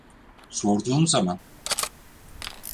Sorduğum zaman.